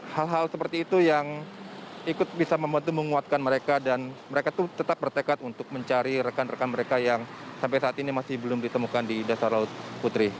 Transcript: hal hal seperti itu yang ikut bisa membantu menguatkan mereka dan mereka itu tetap bertekad untuk mencari rekan rekan mereka yang sampai saat ini masih belum ditemukan di dasar laut putri